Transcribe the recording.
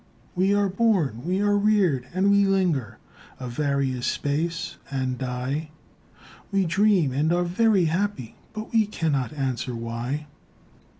"We are born, we are reared, and we linger A various space and die; We dream and are very happy, But we cannot answer why."